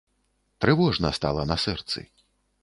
Трывожна стала на сэрцы.